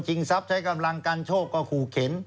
ทรัพย์ใช้กำลังกันโชคก็ขู่เข็น